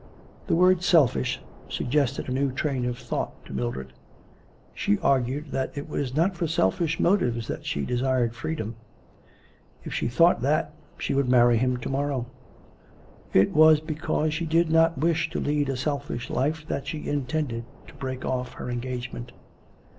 The word 'selfish' suggested a new train of thought to Mildred. She argued that it was not for selfish motives that she desired freedom. If she thought that, she would marry him to morrow. It was because she did not wish to lead a selfish life that she intended to break off her engagement.